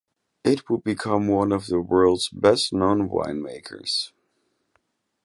It would become one of the world's best known winemakers.